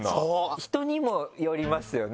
人にもよりますよね。